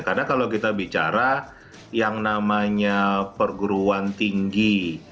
karena kalau kita bicara yang namanya pergeruan tinggi